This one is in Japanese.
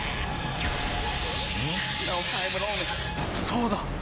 そうだ！